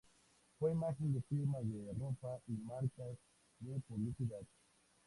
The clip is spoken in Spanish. Fue imagen de firmas de ropa y marcas de publicidad.